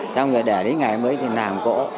xong rồi để đến ngày mới thì làm cỗ